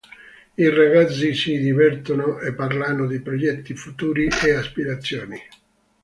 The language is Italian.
I ragazzi si divertono e parlano di progetti futuri e aspirazioni.